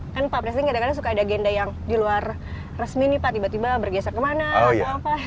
kan pak presiden kadang kadang suka ada agenda yang di luar resmi nih pak tiba tiba bergeser kemana atau apa